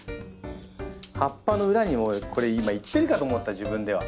葉っぱの裏にもこれ今いってるかと思った自分では。